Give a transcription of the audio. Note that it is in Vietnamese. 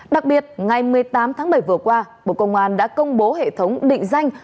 đặc biệt ngày một mươi tám tháng bảy vừa qua bộ công an đã công bố hệ thống định danh